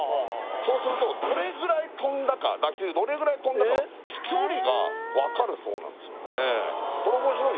そうするとどれぐらい飛んだか打球どれぐらい飛んだかの飛距離がわかるそうなんですよね